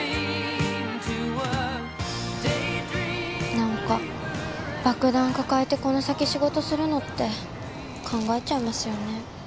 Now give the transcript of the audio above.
なんか爆弾抱えてこの先仕事するのって考えちゃいますよね。